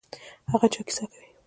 هغه چا کیسه کوي.